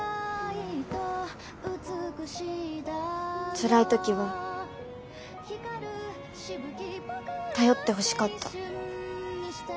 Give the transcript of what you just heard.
つらい時は頼ってほしかった。